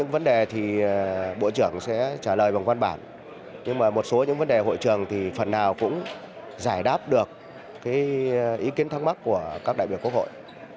vấn đề thì bộ trưởng sẽ trả lời bằng văn bản nhưng mà một số những vấn đề hội trường thì phần nào cũng giải đáp được ý kiến thắc mắc của các đại biểu quốc hội